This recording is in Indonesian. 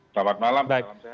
selamat malam salam sehat